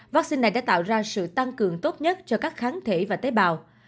vaccine này đã tạo ra sự tăng cường tốt nhất cho các kháng thể và tế bào